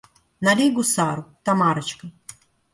Налей гусару, Тамарочка!